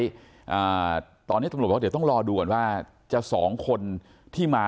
อ่าตอนเนี้ยตำรวจบอกว่าเดี๋ยวต้องรอดูก่อนว่าจะสองคนที่มา